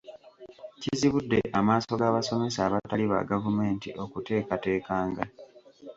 Kizibudde amaaso g'abasomesa abatali ba gavumenti okutekatekanga.